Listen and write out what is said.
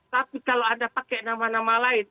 tapi kalau anda pakai nama nama lain